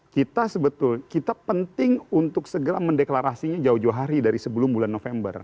kita sebetulnya kita penting untuk segera mendeklarasinya jauh jauh hari dari sebelum bulan november